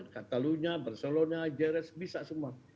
katalunya barcelona jeres bisa semua